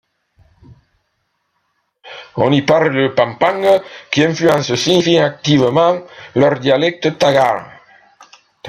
On y parle le pampangue, qui influence significativement leur dialecte tagale.